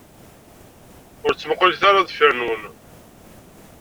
Ur ttmuqqulet ara deffir-wen.